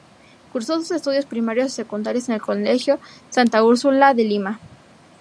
Cursó sus estudios primarios y secundarios en el Colegio Santa Úrsula de Lima.